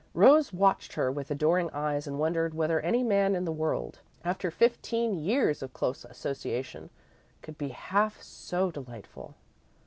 Rose watched her with adoring eyes, and wondered whether any man in the world, after fifteen years of close association, could be half so delightful.